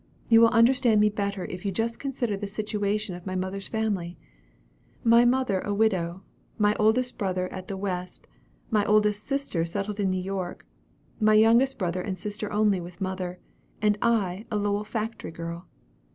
You will understand me better if you just consider the situation of my mother's family. My mother a widow, my oldest brother at the West, my oldest sister settled in New York, my youngest brother and sister only with mother, and I a Lowell factory girl!